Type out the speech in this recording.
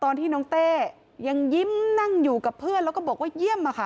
ตอนที่น้องเต้ยังยิ้มนั่งอยู่กับเพื่อนแล้วก็บอกว่าเยี่ยม